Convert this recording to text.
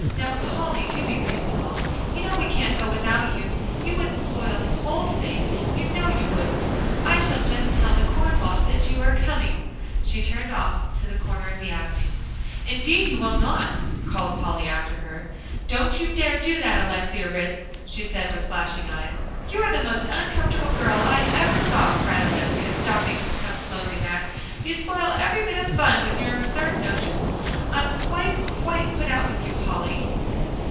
"Now, Polly, do be reasonable. You know we can't go without you; you wouldn't spoil the whole thing; you know you wouldn't. I shall just tell the Cornwalls that you are coming," and she turned off to the corner of the avenue. "Indeed you will not," called Polly after her. "Don't you dare do that, Alexia Rhys," she said, with flashing eyes. "You are the most uncomfortable girl I ever saw," cried Alexia, stopping, to come slowly back. "You spoil every bit of fun with your absurd notions. I'm quite, quite put out with you, Polly."